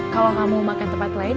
kalau kamu mau makan di tempat lain